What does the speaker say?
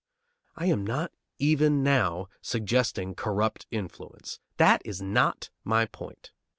I am not even now suggesting corrupt influence. That is not my point.